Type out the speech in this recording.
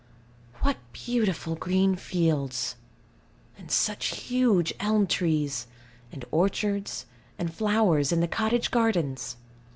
What beautiful green fields; and such huge elm trees; and orchards; and flowers in the cottage gardens!